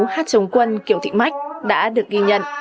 hát chống quân kiều thị mách đã được ghi nhận